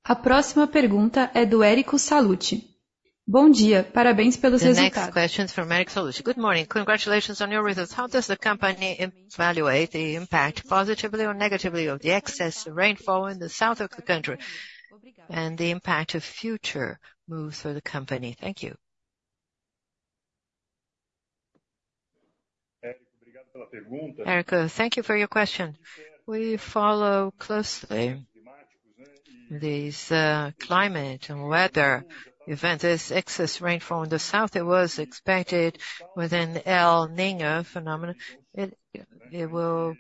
The next question is from Eric Soluti. Good morning. Congratulations on your results. How does the company evaluate the impact, positively or negatively, of the excess rainfall in the south of the country, and the impact of future moves for the company?
Thank you. Eric, thank you for your question. We follow closely these, climate and weather event. This excess rainfall in the south, it was expected within El Niño phenomenon. It, it will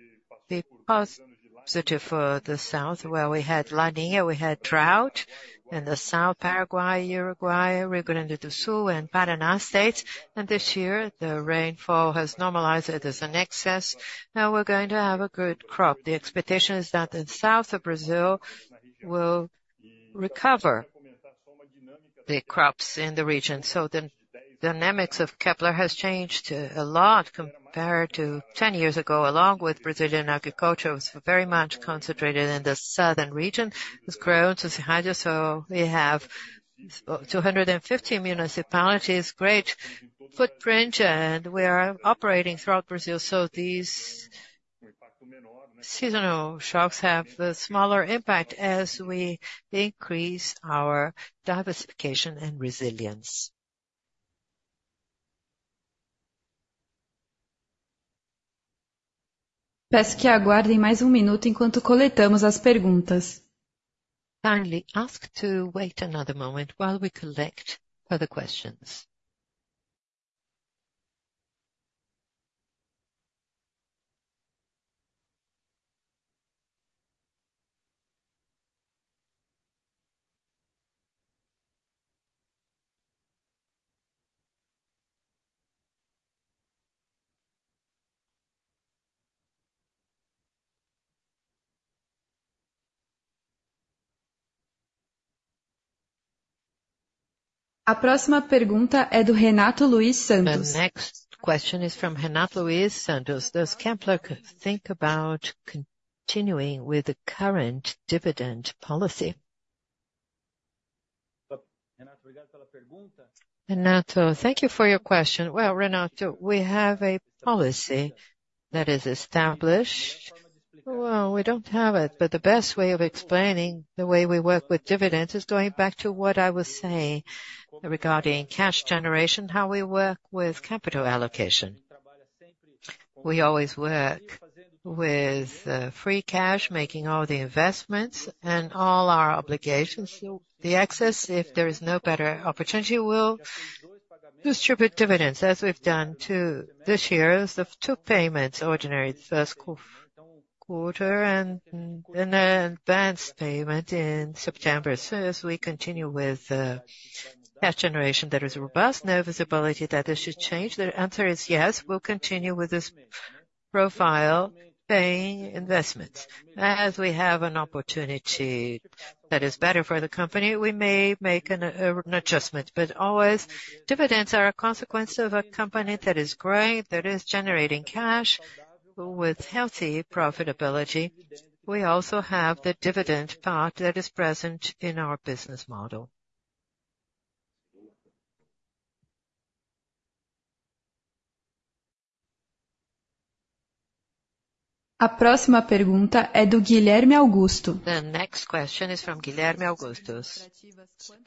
be positive for the south, where we had La Niña, we had drought in the southern Paraguay, Uruguay, Rio Grande do Sul, and Paraná States, and this year, the rainfall has normalized. It is in excess. Now we're going to have a good crop. The expectation is that the south of Brazil will recover the crops in the region. So the dynamics of Kepler has changed a lot compared to 10 years ago, along with Brazilian agriculture, was very much concentrated in the southern region. It's grown to such a, so we have 250 municipalities, great footprint, and we are operating throughout Brazil. So these seasonal shocks have the smaller impact as we increase our diversification and resilience.
Kindly ask to wait another moment while we collect further questions. The next question is from Renato Luis Santos. Does Kepler think about continuing with the current dividend policy?
Renato, thank you for your question. Well, Renato, we have a policy that is established. Well, we don't have it, but the best way of explaining the way we work with dividends is going back to what I was saying regarding cash generation, how we work with capital allocation. We always work with free cash, making all the investments and all our obligations. The excess, if there is no better opportunity, will distribute dividends, as we've done to this year, of two payments, ordinary first quarter and an advanced payment in September. So as we continue with cash generation that is robust, no visibility that this should change. The answer is yes, we'll continue with this profile, paying investments. As we have an opportunity that is better for the company, we may make an adjustment. But always, dividends are a consequence of a company that is growing, that is generating cash with healthy profitability. We also have the dividend part that is present in our business model.
The next question is from Guilherme Augusto. The next question is from Guilherme Augusto.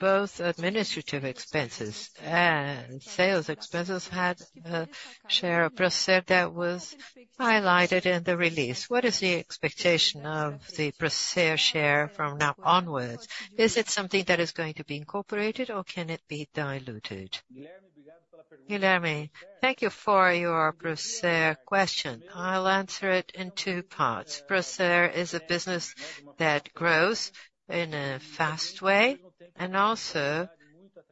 Both administrative expenses and sales expenses had a share of Procer that was highlighted in the release. What is the expectation of the Procer share from now onwards? Is it something that is going to be incorporated or can it be diluted?
Guilherme, thank you for your Procer question. I'll answer it in two parts. Procer is a business that grows in a fast way and also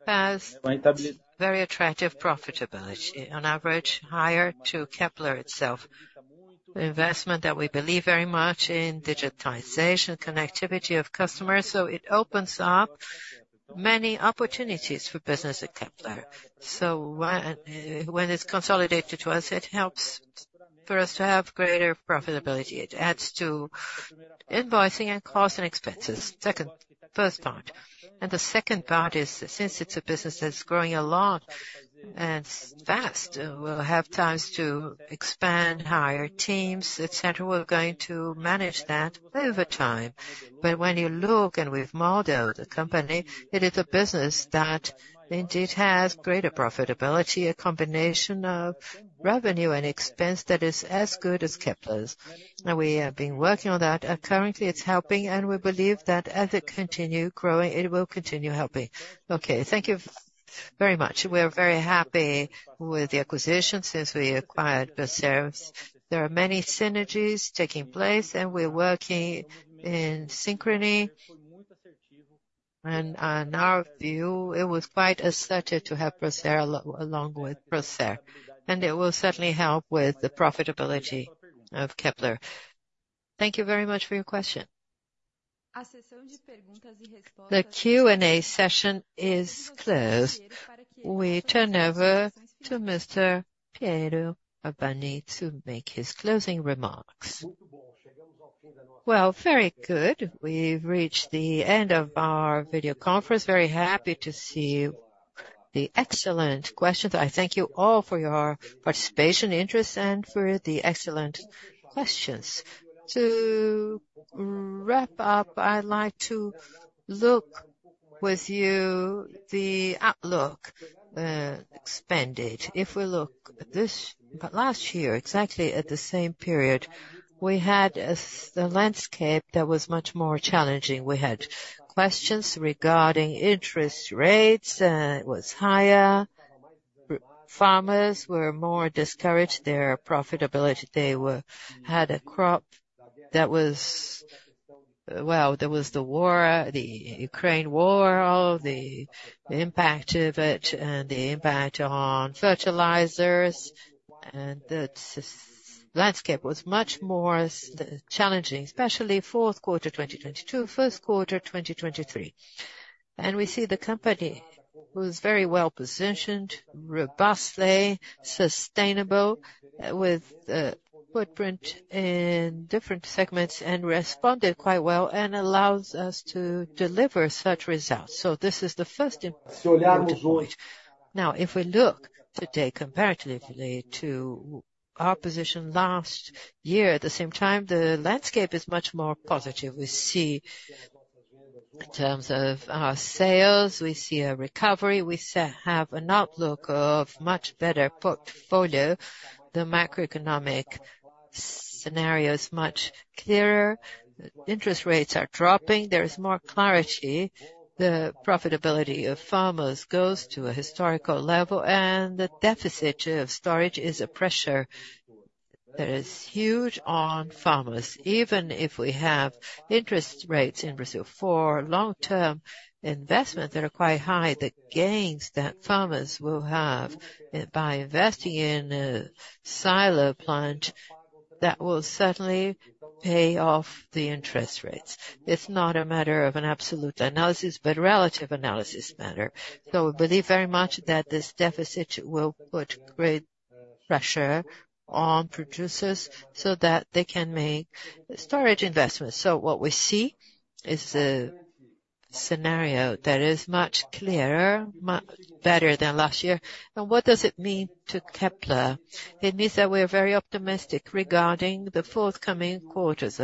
has very attractive profitability, on average, higher to Kepler itself. Investment that we believe very much in digitization, connectivity of customers, so it opens up many opportunities for business at Kepler. So when it's consolidated to us, it helps for us to have greater profitability. It adds to invoicing and costs and expenses. Second—First part. The second part is, since it's a business that's growing a lot and fast, we'll have times to expand, hire teams, et cetera. We're going to manage that over time. But when you look and we've modeled the company, it is a business that indeed has greater profitability, a combination of revenue and expense that is as good as Kepler's. And we have been working on that, and currently it's helping, and we believe that as it continue growing, it will continue helping. Okay, thank you very much. We're very happy with the acquisition since we acquired Procer. There are many synergies taking place, and we're working in synchrony. And, in our view, it was quite assertive to have Procer along with Kepler, and it will certainly help with the profitability of Kepler.
Thank you very much for your question. The Q&A session is closed. We turn over to Mr. Piero Abbondi to make his closing remarks.
Well, very good. We've reached the end of our video conference. Very happy to see the excellent questions. I thank you all for your participation, interest, and for the excellent questions. To wrap up, I'd like to look with you the outlook, expanded. If we look at this last year, exactly at the same period, we had a landscape that was much more challenging. We had questions regarding interest rates, it was higher. Farmers were more discouraged, their profitability. They had a crop that was. Well, there was the war, the Ukraine war, all the impact of it and the impact on fertilizers, and the landscape was much more challenging, especially fourth quarter, 2022, first quarter, 2023. And we see the company was very well-positioned, robustly, sustainable, with a footprint in different segments and responded quite well and allows us to deliver such results. So this is the first important point. Now, if we look today, comparatively to our position last year, at the same time, the landscape is much more positive. We see in terms of our sales, we see a recovery, we have an outlook of much better portfolio. The macroeconomic scenario is much clearer. Interest rates are dropping, there is more clarity. The profitability of farmers goes to a historical level, and the deficit of storage is a pressure that is huge on farmers. Even if we have interest rates in Brazil for long-term investment that are quite high, the gains that farmers will have by investing in a silo plant, that will certainly pay off the interest rates. It's not a matter of an absolute analysis, but relative analysis matter. So we believe very much that this deficit will put great pressure on producers so that they can make storage investments. So what we see is a scenario that is much clearer, much better than last year. And what does it mean to Kepler? It means that we're very optimistic regarding the forthcoming quarters,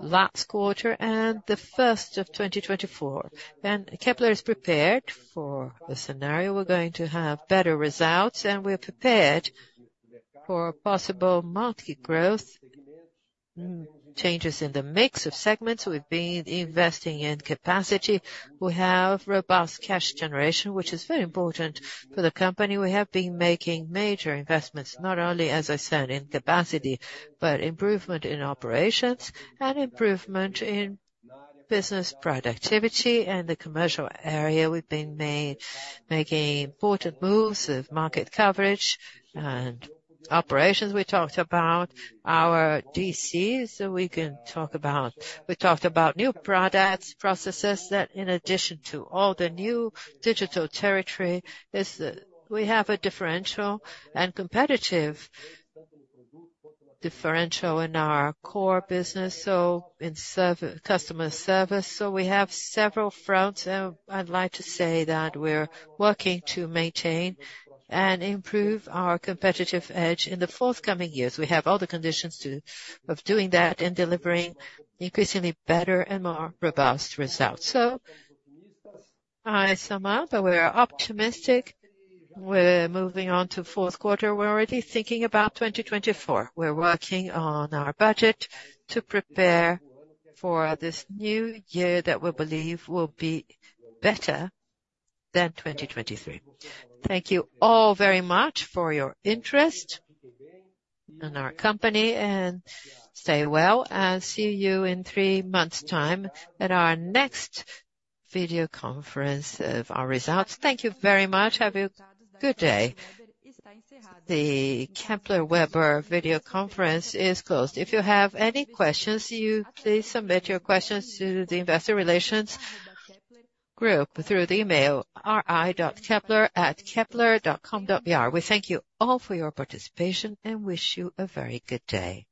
last quarter and the first of 2024. And Kepler is prepared for the scenario. We're going to have better results, and we're prepared for possible multiple changes in the mix of segments. We've been investing in capacity. We have robust cash generation, which is very important for the company. We have been making major investments, not only as I said, in capacity, but improvement in operations and improvement in business productivity and the commercial area. We've been making important moves of market coverage and operations. We talked about our DCs, so we talked about new products, processes that in addition to all the new digital territory, is that we have a differential and competitive differential in our core business, so in customer service. So we have several fronts, and I'd like to say that we're working to maintain and improve our competitive edge in the forthcoming years. We have all the conditions to, of doing that and delivering increasingly better and more robust results. So I sum up, and we are optimistic. We're moving on to fourth quarter. We're already thinking about 2024. We're working on our budget to prepare for this new year, that we believe will be better than 2023. Thank you all very much for your interest in our company, and stay well.
I'll see you in three months time at our next video conference of our results. Thank you very much. Have a good day. The Kepler Weber video conference is closed. If you have any questions, you please submit your questions to the investor relations group through the email, ri@kepler.com.br. We thank you all for your participation and wish you a very good day.